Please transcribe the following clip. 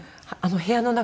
部屋の中で。